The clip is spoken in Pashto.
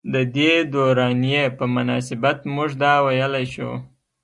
ددې دورانيې پۀ مناسبت مونږدا وئيلی شو ۔